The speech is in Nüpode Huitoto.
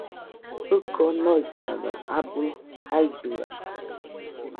Jiko noitaga abɨ jaidɨa